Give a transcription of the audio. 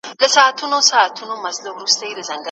ایا پایلې شریکې شوې؟